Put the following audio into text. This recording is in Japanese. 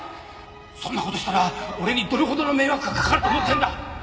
そんなことしたら俺にどれほどの迷惑が掛かると思ってんだ